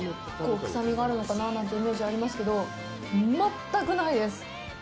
臭みがあるのかななんてイメージがありますけど、全くないです！